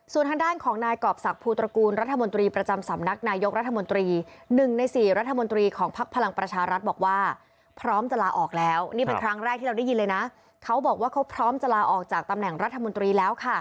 ส่วนทางด้านของนายกอบศักดิ์ภูตระกูลรัฐมนตรีประจำสำนักนายยกรัฐมนตรี